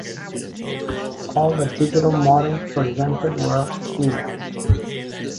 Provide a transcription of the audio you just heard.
All the digital models presented were female.